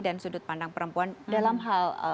sudut pandang perempuan dalam hal